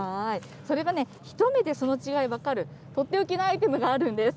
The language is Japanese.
それが、一目でその違いが分かる、取って置きのアイテムがあるんです。